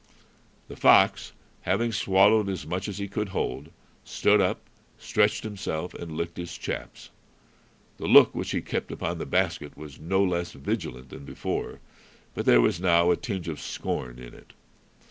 The fox, having swallowed as much as he could hold, stood up, stretched himself, and licked his chaps. The look which he kept upon the basket was no less vigilant than before, but there was now a tinge of scorn in it.